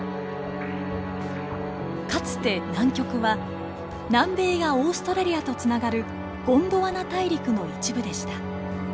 かつて南極は南米やオーストラリアとつながるゴンドワナ大陸の一部でした。